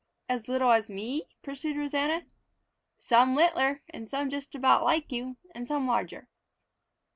"As little as me?" pursued Rosanna. "Some littler, and some just about like you, and some larger."